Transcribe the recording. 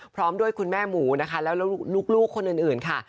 พร้อมด้วยคุณแม่หมูนะคะแล้วลูกคนอื่นค่ะ